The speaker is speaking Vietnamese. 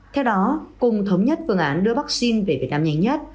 theo đó cùng thống nhất phương án đưa vaccine về việt nam nhanh nhất